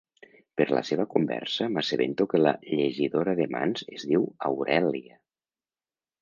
Per la seva conversa m'assabento que la llegidora de mans es diu Aurèlia.